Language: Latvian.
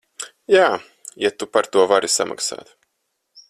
Jā, ja tu par to vari samaksāt.